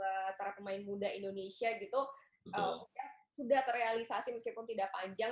karena para pemain muda indonesia gitu sudah terrealisasi meskipun tidak panjang